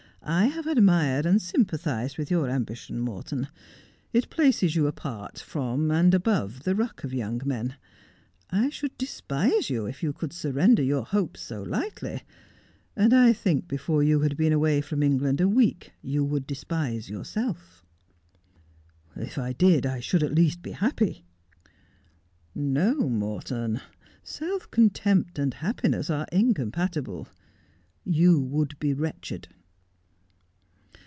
I have admired and sympathized with your ambition, Morton. It places you apart from and above the ruck of young men. I should despise you il you could surrender your hopes so lightly, and I think before you had been away from England a week you would despise yourself.' ' If I did I should at least be happy.' ' 'No, Morton ; self contempt and happiness are incompatible. You would be wretched.'